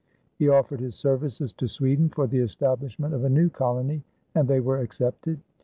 He offered his services to Sweden for the establishment of a new colony, and they were accepted.